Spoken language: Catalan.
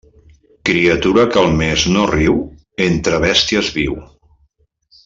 Criatura que al mes no riu, entre bèsties viu.